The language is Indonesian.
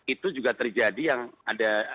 itu juga terjadi yang ada